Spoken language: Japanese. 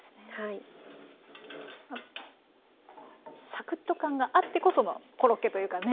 サクッと感があってこそのコロッケというかね。